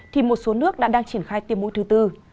thì một số nước đã đang triển khai tiêm mũi thứ tư